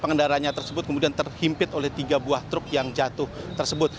pengendaranya tersebut kemudian terhimpit oleh tiga buah truk yang jatuh tersebut